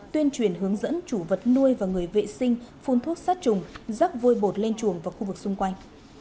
tuyên truyền hướng dẫn chủ vật nuôi và người vệ sinh phun thuốc sát trùng rắc vôi bột lên chuồng và khu vực xung quanh